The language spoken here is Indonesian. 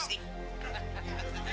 ibu kamu aman serti